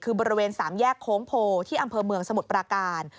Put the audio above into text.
คือบริเวณสามแยกโค้งโพที่อำเภอเมืองสมุทรปราการ